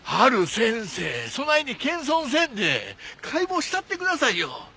陽先生そないに謙遜せんで解剖したってくださいよ。